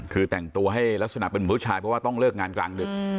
คือแต่งตัวให้ลักษณะเป็นเหมือนผู้ชายเพราะว่าต้องเลิกงานกลางดึก